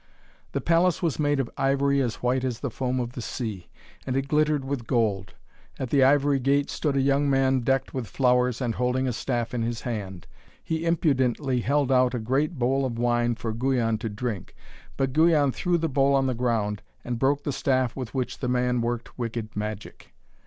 The palace was made of ivory as white as the foam of the sea, and it glittered with gold. At the ivory gate stood a young man decked with flowers, and holding a staff in his hand. He impudently held out a great bowl of wine for Guyon to drink. But Guyon threw the bowl on the ground, and broke the staff with which the man worked wicked magic.